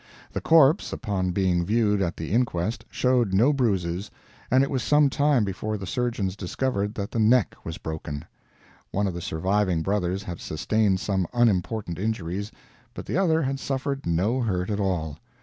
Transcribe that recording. The corpse, upon being viewed at the inquest, showed no bruises, and it was some time before the surgeons discovered that the neck was broken. One of the surviving brothers had sustained some unimportant injuries, but the other had suffered no hurt at all.